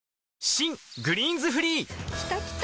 新「グリーンズフリー」きたきた！